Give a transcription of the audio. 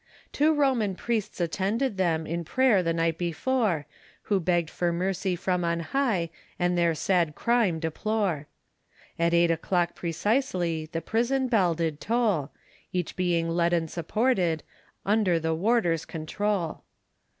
Two Roman priests attended them In prayer the night before, Who begged for mercy from on high, And their sad crime deplore. At eight o'clock precisely, The prison bell did toll; Each being led and supported, Under the warders' controul.